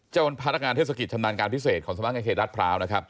เจ้าพระรักงานเทศกิจชำนาญการพิเศษของสมัครกรรมเกษตรรัฐพราว